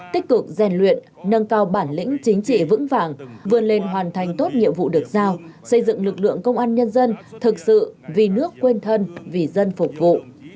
tích cực rèn luyện nâng cao bản lĩnh chính trị vững vàng vươn lên hoàn thành tốt nhiệm vụ được giao xây dựng lực lượng công an nhân dân thực sự vì nước quên thân vì dân phục vụ